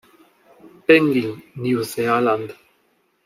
Penguin, New Zealand.